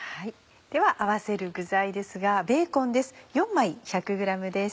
では合わせる具材ですがベーコンです。